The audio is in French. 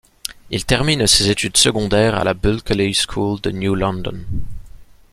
Il termine ses études secondaires à la Bulkeley School de New London.